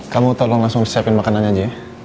kamu tolong langsung siapin makanan aja ya